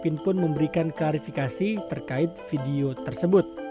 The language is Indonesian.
setelah viral arifin pun memberikan klarifikasi terkait video tersebut